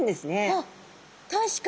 あっ確かに！